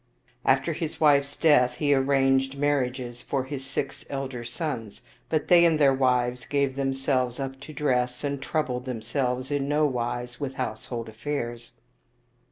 After his wife's death he arranged marriages for his six elder sons, but they and their wives gave themselves up to dress, and troubled themselves in no wise with household affairs.